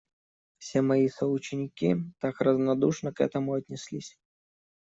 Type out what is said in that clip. Все мои соученики так равнодушно к этому отнеслись.